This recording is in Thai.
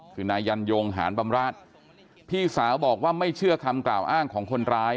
คือนายยันยงหานบำราชพี่สาวบอกว่าไม่เชื่อคำกล่าวอ้างของคนร้าย